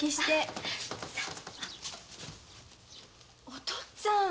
お父っつぁん！